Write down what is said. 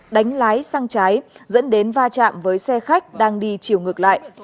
đánh lái sang trái dẫn đến va chạm với xe khách đang đi chiều ngược lại